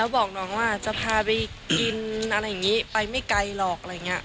บอกน้องว่าจะพาไปกินอะไรอย่างนี้ไปไม่ไกลหรอกอะไรอย่างนี้